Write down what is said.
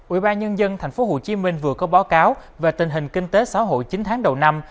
ubnd tp hcm vừa có báo cáo về tình hình kinh tế xã hội chín tháng đầu năm